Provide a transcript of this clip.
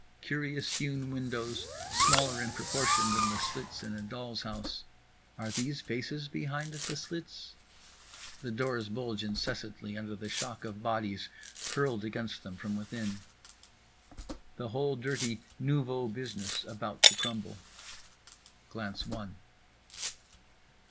Curious hewn windows, smaller in proportion than the slits in a doll's house. Are these faces behind the slits? The doors bulge incessantly under the shock of bodies hurled against them from within. The whole dirty nouveau business about to crumble. Glance one.